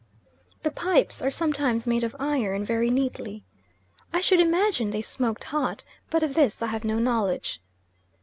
The pipes are sometimes made of iron very neatly. I should imagine they smoked hot, but of this I have no knowledge.